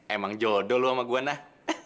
emang jodoh loh sama gue nah